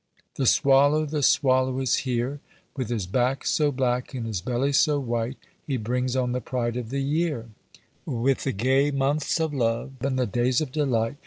The Swallow, the Swallow is here, With his back so black, and his belly so white, He brings on the pride of the year, With the gay months of love, and the days of delight.